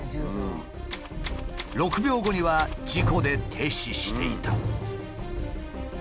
６秒後には事故で停止していた。